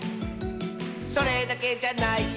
「それだけじゃないよ」